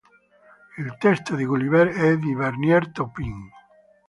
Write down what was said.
Il testo di "Gulliver" è di Bernie Taupin.